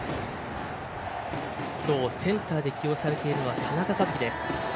今日、センターで起用されているのは田中和基です。